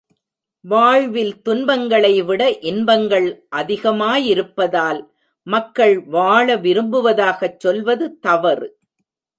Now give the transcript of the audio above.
வாழ்வில் துன்பங்களைவிட இன்பங்கள் அதிகமாயிருப்பதால், மக்கள் வாழ விரும்புவதாகச் சொல்வது தவறு.